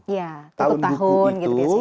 ya tetap tahun gitu